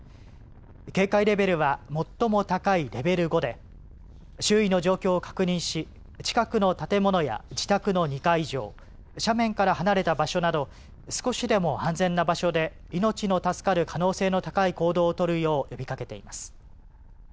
警戒レベルは最も高いレベル５で周囲の状況を確認し近くの建物や自宅の２階以上、斜面から離れた場所など少しでも安全な場所で命の助かる可能性の高い行動を取るよう呼びかけています。